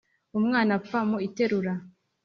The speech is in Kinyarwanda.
Umwana apfa mu iterura.